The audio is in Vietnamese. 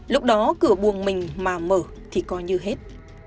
lúc đó cửa buồng mình mà mở thì coi như hết